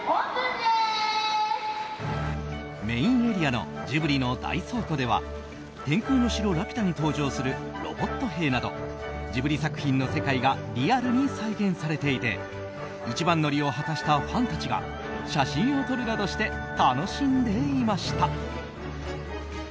メインエリアのジブリの大倉庫では「天空の城ラピュタ」に登場するロボット兵などジブリ作品の世界がリアルに再現されていて一番乗りを果たしたファンたちが写真を撮るなどして楽しんでいました。